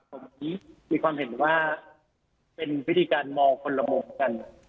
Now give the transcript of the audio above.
ผมมีความเห็นว่าเป็นวิธีการมองคนละมุมกัน